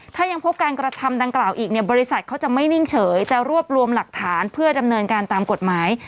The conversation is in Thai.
ถ้ายังพบการกระทำดังกล่าวอีกเนี่ยบริษัทเขาจะไม่นิ่งเฉยจะรวบรวมหลักฐานเพื่อดำเนินการตามกฎหมาย